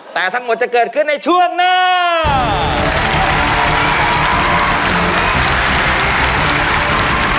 แต่ทั้งหมดจะเกิดขึ้นในช่วงหน้า